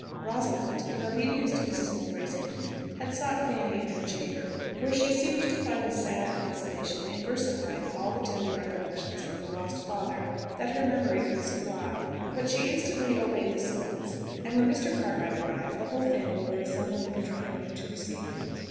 Rosalind, in obedience to Mrs. Mowbray's hint, had sought Fanny in her chamber, where she seemed to find a sad consolation in versifying all the tender recollections of her lost father that her memory could supply; but she instantly obeyed the summons, and when Mr. Cartwright arrived, the whole family were assembled in the drawing room to receive him.